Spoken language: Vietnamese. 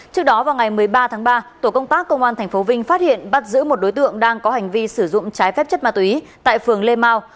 trước đó vào ngày một mươi ba tháng ba tổ công tác công an tp vinh phát hiện bắt giữ một đối tượng đang có hành vi sử dụng trái phép chất ma túy tại phường lê mau